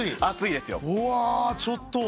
熱いですよ。